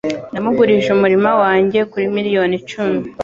Namugurije umurima wanjye kuri miliyoni icumi